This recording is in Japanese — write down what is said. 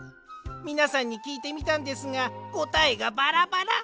みなさんにきいてみたんですがこたえがバラバラ！